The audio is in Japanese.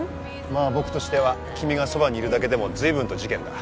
まあ僕としては君がそばにいるだけでもずいぶんと事件だ。